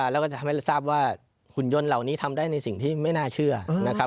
แล้วก็จะทำให้ทราบว่าหุ่นยนต์เหล่านี้ทำได้ในสิ่งที่ไม่น่าเชื่อนะครับ